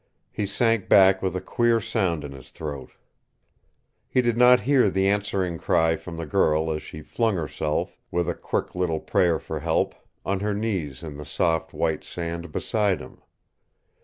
He sank back with a queer sound in his throat. He did not hear the answering cry from the girl as she flung herself, with a quick little prayer for help, on her knees in the soft, white sand beside him.